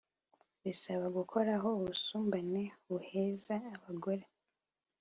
bisaba gukuraho ubusumbane buheza abagore